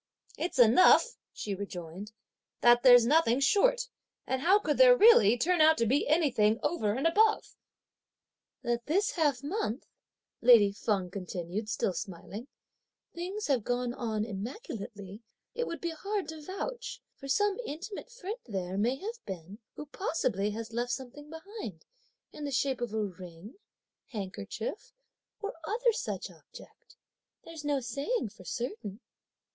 "It's enough," she rejoined, "that there's nothing short; and how could there really turn out to be anything over and above?" "That this half month," lady Feng continued still smiling, "things have gone on immaculately it would be hard to vouch; for some intimate friend there may have been, who possibly has left something behind, in the shape of a ring, handkerchief or other such object, there's no saying for certain!"